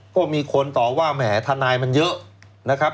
ก็มีคนต่อว่าแหมทนายมันเยอะนะครับ